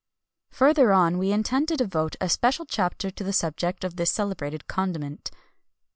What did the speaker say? Further on, we intend to devote a special chapter to the subject of this celebrated condiment.